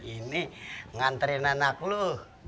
ini nganterin anak lu